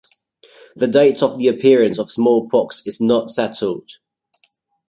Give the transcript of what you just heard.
The date of the appearance of smallpox is not settled.